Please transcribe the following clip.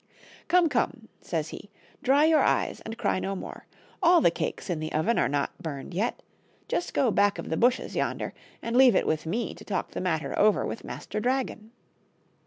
"Come, come," says he, " dry your eyes and cry no more ; all the cakes in the oven are not burned yet ; just go back of the bushes yonder, and leave it with me to talk the matter over with Master Dragon."